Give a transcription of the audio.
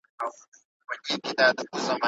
اوس سوداګري له سرحدونو وتلې ده.